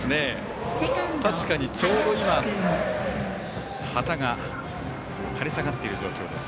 確かに、ちょうど今旗が垂れ下がっている状況です。